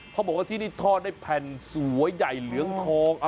เขาบอกว่าที่นี่ทอดได้แผ่นสวยใหญ่เหลืองทอง